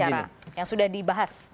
kalau secara yang sudah dibahas